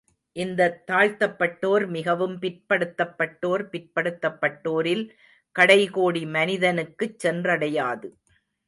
இந்த, தாழ்த்தப்பட்டோர், மிகவும் பிற்படுத்தப்பட்டோர், பிற்படுத்தப்பட்டோரில் கடைகோடி மனிதனுக்குச் சென்றடையாது.